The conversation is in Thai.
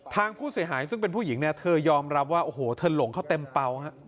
ทางผู้เสียหายซึ่งเป็นผู้หญิงเนี่ยเธอยอมรับว่าโอ้โหเธอหลงเขาเต็มเปล่าฮะ